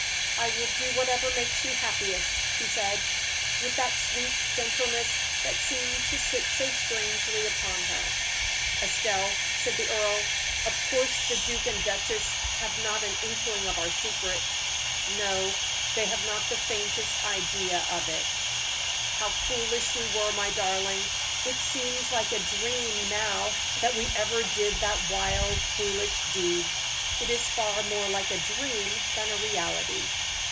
"I will do whatever makes you happiest," she said, with that sweet gentleness that seemed to sit so strangely upon her. "Estelle," said the earl, "of course the duke and duchess have not an inkling of our secret?" "No, they have not the faintest idea of it." "How foolish we were, my darling. It seems like a dream now that we ever did that wild, foolish deed. It is far more like a dream than a reality."